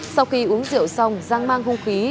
sau khi uống rượu xong giang mang hung khí